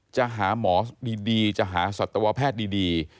จะหาหมอดีจะหาสัตวแพทย์ดี